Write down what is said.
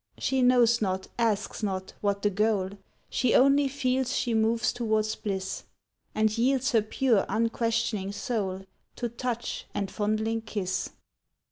She knows not, asks not, what the goal, She only feels she moves towards bliss, And yields her pure unquestioning soul To touch and fondling kiss.